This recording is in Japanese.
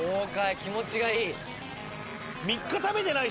気持ちがいい。